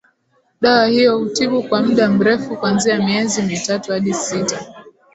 dawa hiyo hutibu kwa mda mrefu kuanzia miezi mitatu hadi sita